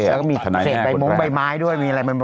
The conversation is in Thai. เสกไปมุ้งใบไม้ด้วย